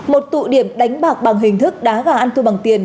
một tụ điểm đánh bạc bằng hình thức đá gà ăn thua bằng tiền